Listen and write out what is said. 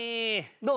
どう？